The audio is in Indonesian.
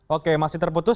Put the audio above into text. oke masih terputus